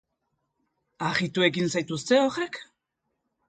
Harritu egin zaituzte horrek?